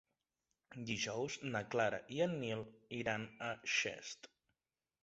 Dijous na Clara i en Nil iran a Xest.